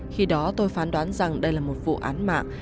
khi đó tôi phán đoán rằng đây là một vụ án mạng